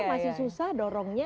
masih susah dorongnya